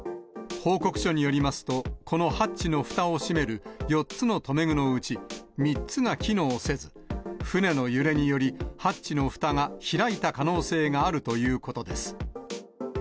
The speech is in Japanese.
報告書によりますと、このハッチのふたを閉める４つの留め具のうち、３つが機能せず、船の揺れにより、ハッチのふたが開いた可能性があるということです。